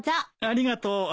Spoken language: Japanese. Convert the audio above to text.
ありがとう。